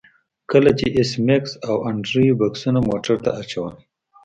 کله چې ایس میکس او انډریو بکسونه موټر ته اچول